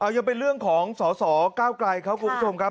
ยังเป็นเรื่องของสสก้าวไกลครับคุณผู้ชมครับ